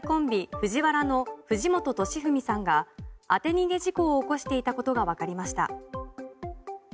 ＦＵＪＩＷＡＲＡの藤本敏史さんが当て逃げ事故を起こしていたことがわかりました。